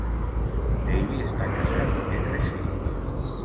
Davie està casat i té tres fills.